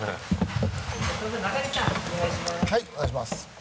はいお願いします。